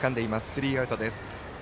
スリーアウトです。